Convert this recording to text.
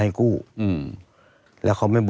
ตั้งแต่ปี๒๕๓๙๒๕๔๘